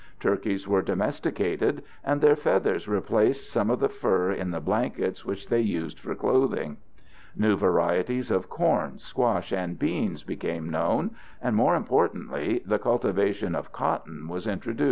Turkeys were domesticated, and their feathers replaced some of the fur in the blankets which they used for clothing. New varieties of corn, squash, and beans became known, and, more importantly, the cultivation of cotton was introduced.